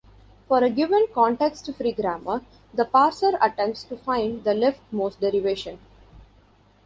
For a given context-free grammar, the parser attempts to find the leftmost derivation.